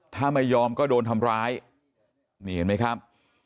ถ้าไม่ยอมก็โดนทำร้ายนี่เห็นไหมครับ